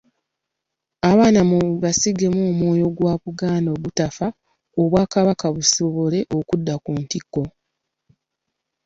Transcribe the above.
Abaana mubasigemu omwoyo gwa Buganda ogutafa Obwakabaka busobole okudda ku ntikko.